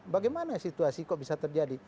bagaimana situasi kok bisa terjadi